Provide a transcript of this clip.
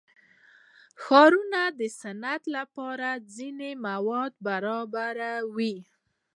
ښارونه د صنعت لپاره ځینې مواد برابروي.